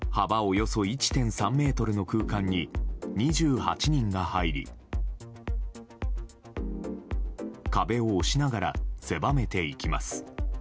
およそ１．３ｍの空間に２８人が入り壁を押しながら狭めていきます。